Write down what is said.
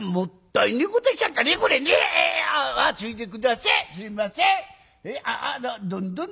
すいません。